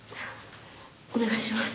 お願いします。